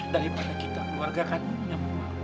daripada kita keluarga kandungnya